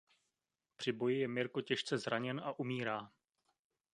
Při boji je Mirko těžce zraněn a umírá.